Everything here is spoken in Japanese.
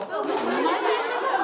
マジ？